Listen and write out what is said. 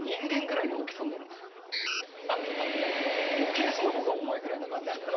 ・ケースの方が重いぐらいな感じで。